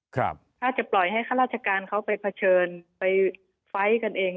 ถ้าจะปล่อยให้ข้าราชการเขาไปเผชิญไปไฟล์กันเอง